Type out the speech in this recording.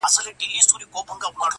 زما مرور فکر به څه لفظونه وشرنگوي~